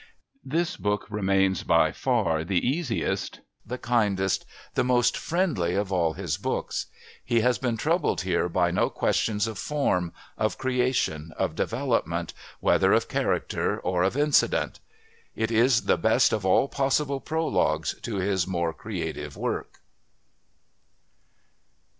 This book remains by far the easiest, the kindest, the most friendly of all his books. He has been troubled here by no questions of form, of creation, of development, whether of character or of incident. It is the best of all possible prologues to his more creative work.